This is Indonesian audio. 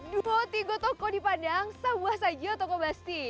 dua tiga toko di padang sebuah saja toko pasti